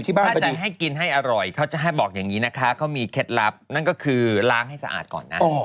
บางทีให้กินให้อร่อยเขาจะให้บอกอย่างนี้นะคะเขามีเคล็ดลับนั่นก็คือล้างให้สะอาดก่อนนะ